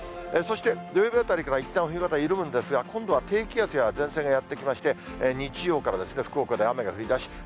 そして、土曜日あたりからいったん冬型緩むんですが、今度は低気圧や前線がやって来まして、日曜からですね、福岡で雨が降りだし、